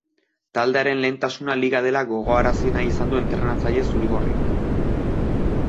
Taldearen lehentasuna liga dela gogoarazi nahi izan du entrenatzaile zuri-gorriak.